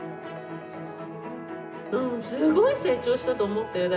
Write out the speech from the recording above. うんすごい成長したと思ったよ。